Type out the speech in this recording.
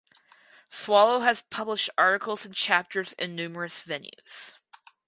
Swallow has published articles and chapters in numerous venues.